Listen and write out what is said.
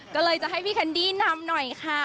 ก็เลยจะให้พี่แคนดี้นำหน่อยค่ะ